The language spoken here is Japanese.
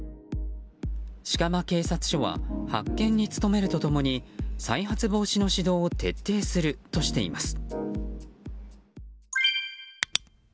飾磨警察署は発見に努めると共に再発防止の指導を徹底するとしています。